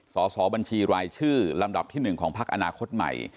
สอบบัญชีรายชื่อลำดับที่๑ของพักอนาคตใหม่